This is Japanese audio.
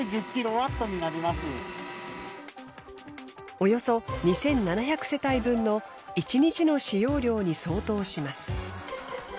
およそ２，７００世帯分の１日の使用量に相当します。